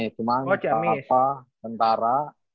cuma nanti kata apa sentara